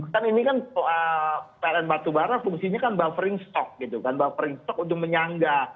kan ini kan pln batubara fungsinya kan buffering stock gitu kan buffering stock untuk menyangga